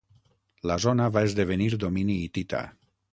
La zona va esdevenir domini hitita.